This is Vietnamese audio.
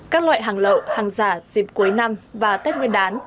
các loại hàng lậu hàng giả dịp cuối năm và tết nguyên đán